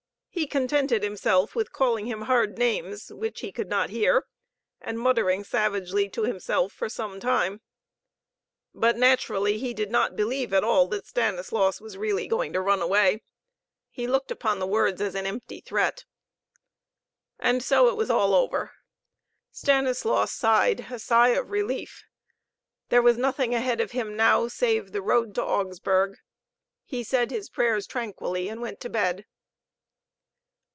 He contented himself with calling him hard names which he could not hear, and muttering savagely to himself for some time. But, naturally, he did not believe at all that Stanislaus was really going to run away9 He looked upon the words as an empty threat. And so it was all over. Stanislaus sighed a sigh of relief. There was nothing ahead of him now save the road to Augsburg. He said his prayers tranquilly and went to bed.